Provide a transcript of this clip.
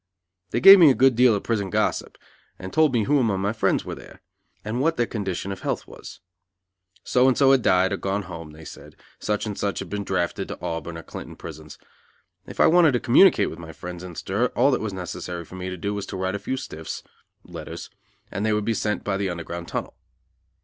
They gave me a good deal of prison gossip, and told me who among my friends were there, and what their condition of health was. So and so had died or gone home, they said, such and such had been drafted to Auburn or Clinton prisons. If I wanted to communicate with my friends in stir all that was necessary for me to do was to write a few stiffs (letters) and they would be sent by the Underground Tunnel.